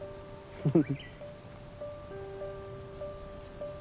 フフフッ。